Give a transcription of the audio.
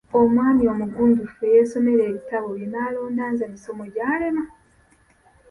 Omwami omugunjufu eyeesomera ebitabo bye n'alonda nze misomogyalema!